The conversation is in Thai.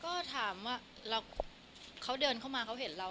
ก็ถามว่าเขาเดินเข้ามาเขาเห็นเรา